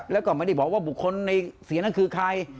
แล้วก็ไม่ได้บอกว่าบุคคลในเสียนั้นคือใคร